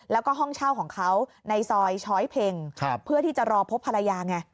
แล้วก็ห้องเช่าของเขาในซอยช้อยเพ็งเพื่อที่จะรอพบภรรยาไง